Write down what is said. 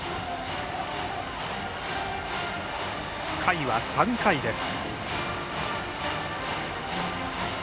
回は３回です。